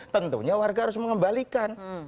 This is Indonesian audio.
tentunya warga harus mengembalikan